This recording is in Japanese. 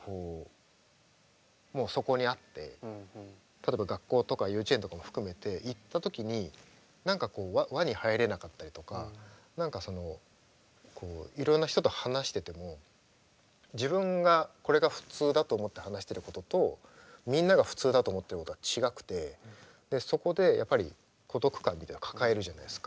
例えば学校とか幼稚園とかも含めて行った時に何かこう輪に入れなかったりとか何かそのいろんな人と話してても自分がこれが普通だと思って話してることとみんなが普通だと思ってることが違くてそこでやっぱり孤独感みたいなのを抱えるじゃないですか。